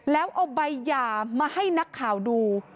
แล้วเอาใบหย่ามาให้นักข่าวดู